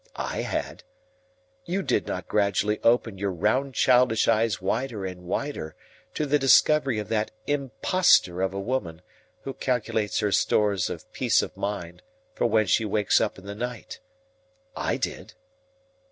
I had. You did not gradually open your round childish eyes wider and wider to the discovery of that impostor of a woman who calculates her stores of peace of mind for when she wakes up in the night. I did."